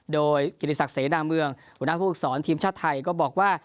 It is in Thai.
โดยกิติศักดิเสนาเมืองหัวหน้าผู้ฝึกศรทีมชาติไทยก็บอกว่า